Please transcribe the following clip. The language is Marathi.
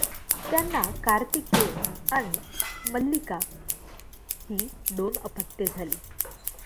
त्यांना कार्तिकेय आणि मल्लिका ही दोन अपत्ये झाली.